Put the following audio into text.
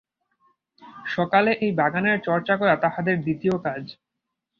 সকালে এই বাগানের চর্যা করা তাহাদের দ্বিতীয় কাজ।